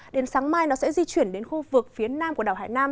đến sáng mai nó sẽ di chuyển đến khu vực phía nam của đảo hải nam